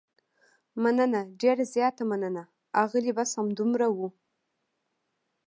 مننه، ډېره زیاته مننه، اغلې، بس همدومره و.